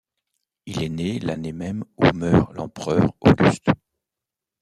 Il est né l'année même où meurt l'empereur Auguste.